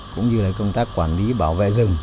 cũng như là công tác quản lý bảo vệ rừng